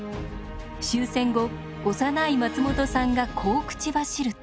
終戦後幼い松本さんがこう口走ると。